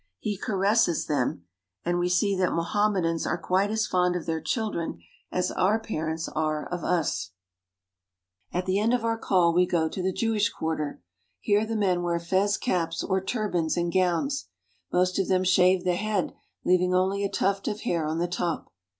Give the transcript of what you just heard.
He caresses them, and we see that Mohammedans are quite as fond of their children as our parents are of us. THE CITY OF TUNIS S^ At the end of our call we go to the Jewish quarter. Here the men wear fez caps or turbans and gowns. Most of them shave the head, leaving only a tuft of hair on the top.